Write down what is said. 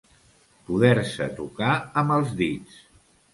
Poder-se tocar amb els dits.